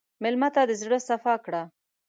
مېلمه ته د زړه صفا کړه.